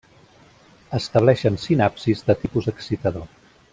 Estableixen sinapsis de tipus excitador.